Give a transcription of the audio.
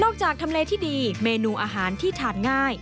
ทำจากทำเลที่ดีเมนูอาหารที่ทานง่าย